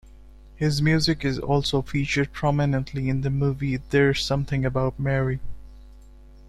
His music is also featured prominently in the movie "There's Something About Mary".